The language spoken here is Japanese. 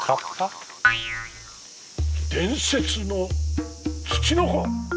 伝説のツチノコ。